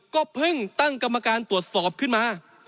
ก็เพิ่งตั้งกรรมการตรวจสอบขึ้นมา